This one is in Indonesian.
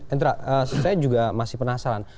indra saya juga masih penasaran